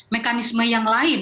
mekanisme yang lain